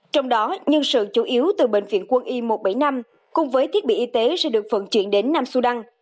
trong đó nhân sự chủ yếu từ bệnh viện quân y một trăm bảy mươi năm cùng với thiết bị y tế sẽ được phận chuyển đến nam sudan